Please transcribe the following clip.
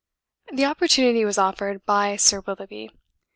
The opportunity was offered by Sir Willoughby.